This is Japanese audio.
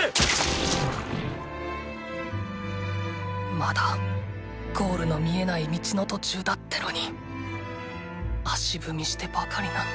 まだゴールの見えない道の途中だってのに足踏みしてばかりなんだ！